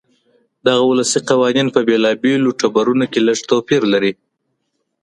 دغه ولسي قوانین په بېلابېلو ټبرونو کې لږ توپیر لري.